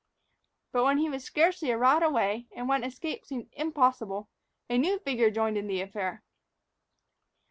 But when he was scarcely a rod away, and when escape seemed impossible, a new figure joined in the affair.